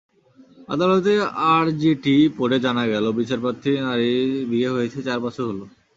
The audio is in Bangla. আদালতে আরজিটি পড়ে জানা গেল, বিচারপ্রার্থী নারীর বিয়ে হয়েছে চার বছর হলো।